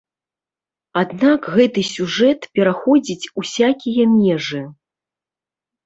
Аднак гэты сюжэт пераходзіць усякія межы.